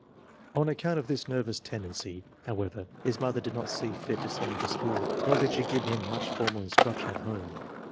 On account of this nervous tendency, however, his mother did not see fit to send Ti. to school, nor did she give him much formal instruction at home.